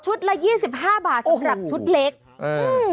ละยี่สิบห้าบาทสำหรับชุดเล็กอืม